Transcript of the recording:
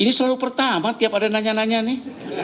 ini selalu pertama tiap ada nanya nanya nih